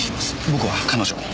僕は彼女を。